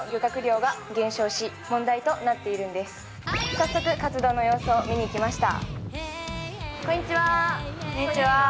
早速、活動の様子を見に行きました。